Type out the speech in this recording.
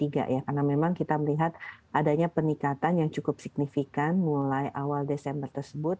karena memang kita melihat adanya peningkatan yang cukup signifikan mulai awal desember tersebut